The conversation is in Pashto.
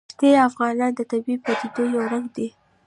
ښتې د افغانستان د طبیعي پدیدو یو رنګ دی.